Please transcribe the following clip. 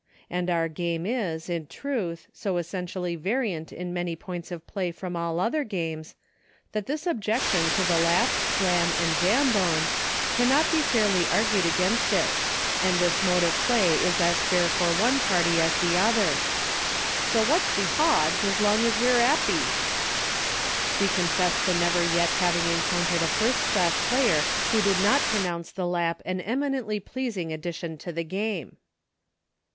And our game is, in truth, so essentially variant in many points of play from all other games, that this objection to the Lap, Slam, and Jam bone, cannot be fairly urged against it, and this mode of play is as fair for one party as the other. u So what's the Aodds, as long as we're 'appy." We confess to never yet having encountered a first class player who did not pronounce the Lap an eminently pleasing ad dition to the game.